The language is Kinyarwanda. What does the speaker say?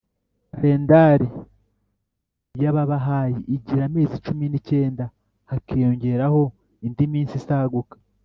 kalendari y’ababahayi igira amezi cumi ni cyenda hakiyongeraho indi minsi isaguka.